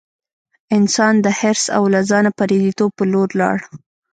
انسان د حرص او له ځانه پردیتوب په لور لاړ.